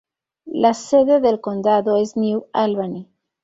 Las sede del condado es New Albany.